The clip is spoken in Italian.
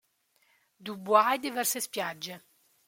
Du Bois e diverse spiagge.